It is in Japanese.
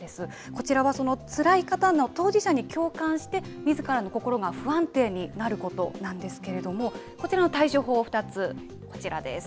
こちらはつらい方の当事者に共感して、みずからの心が不安定になることなんですけれども、こちらの対処法２つ、こちらです。